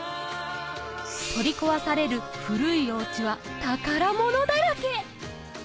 取り壊される古いおうちは宝物だらけ